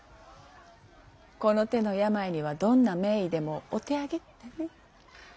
この手の病にはどんな名医でもお手上げってね。